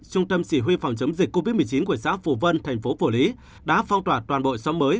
trung tâm chỉ huy phòng chống dịch covid một mươi chín của xã phủ vân thành phố phủ lý đã phong tỏa toàn bộ xóm mới